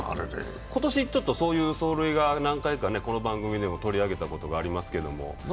今年、そういう走塁が何回かこの番組でも取り上げたことありますけれども。